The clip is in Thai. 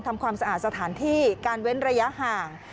ทำความสะอาดสถานที่การเว้นระยะห่าง